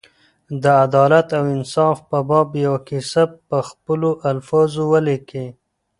د عدالت او انصاف په باب یوه کیسه په خپلو الفاظو ولیکي.